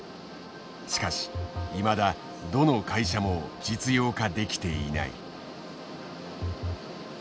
しかしいまだどの会社も実用化できていない。